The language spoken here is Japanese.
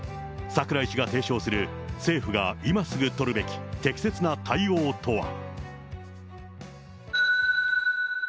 櫻井氏が提唱する、政府が今すぐ取るべき適切な対応とは。